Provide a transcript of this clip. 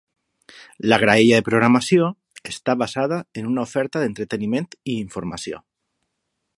La graella de programació està basada en una oferta d'entreteniment i informació.